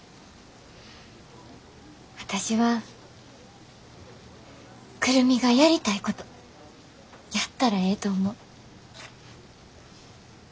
私は久留美がやりたいことやったらええと思う。